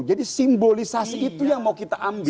jadi simbolisasi itu yang mau kita ambil